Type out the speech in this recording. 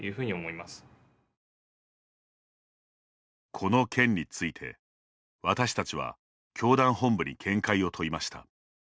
この件について、私たちは教団本部に見解を問いました。